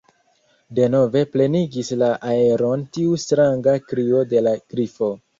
Denove plenigis la aeron tiu stranga krio de la Grifo.